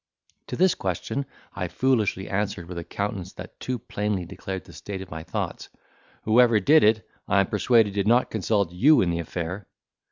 To this question, I foolishly answered, with a countenance that too plainly declared the state of my thoughts, "Whoever did it, I am persuaded did not consult you in the affair."